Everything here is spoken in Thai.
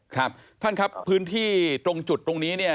ครับท่านครับพื้นที่ตรงจุดตรงนี้เนี่ย